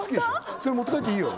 それ持ってかえっていいよ